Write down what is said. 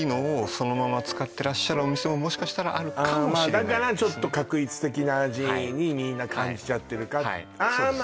そのまま使ってらっしゃるお店ももしかしたらあるかもしれないだからちょっと画一的な味にみんな感じちゃってるあま